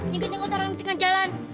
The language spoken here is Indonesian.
nyiget nyegot orang di tingkat jalan